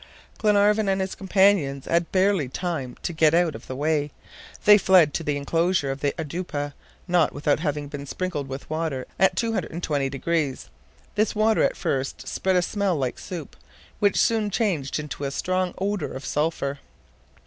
Glenarvan and his companions had barely time to get out of the way; they fled to the enclosure of the oudoupa, not without having been sprinkled with water at 220 degrees. This water at first spread a smell like soup, which soon changed into a strong odor of sulphur.